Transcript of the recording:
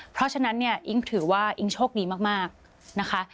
เพราะฉะนั้นเนี่ยอิ๊งถือว่าอิ๊งโชคดีมากนะคะ